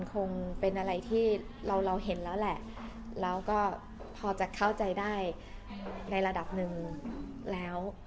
คงเป็นอะไรที่เราเราเห็นแล้วแหละแล้วก็พอจะเข้าใจได้ในระดับหนึ่งแล้ว